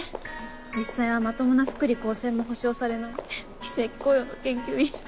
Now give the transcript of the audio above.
実際はまともな福利厚生も保障されない非正規雇用の研究員。